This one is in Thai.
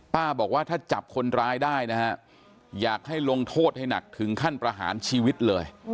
บอกว่าถ้าจับคนร้ายได้นะฮะอยากให้ลงโทษให้หนักถึงขั้นประหารชีวิตเลย